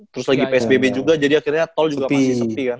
terus lagi psbb juga jadi akhirnya tol juga pasti sepi kan